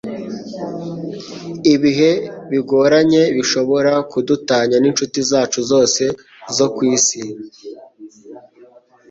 Ibihe bigoranye bishobora kudutanya n'inshuti zacu zose zo ku isi;